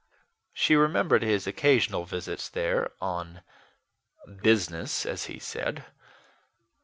She remembered his occasional visits there on business, as he said.